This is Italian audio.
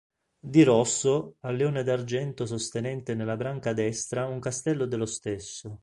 Di rosso, al leone d'argento sostenente nella branca destra un castello dello stesso.